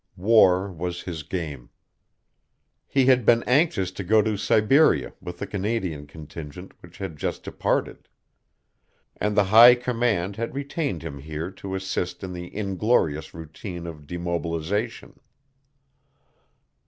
War was his game. He had been anxious to go to Siberia with the Canadian contingent which had just departed. And the High Command had retained him here to assist in the inglorious routine of demobilization.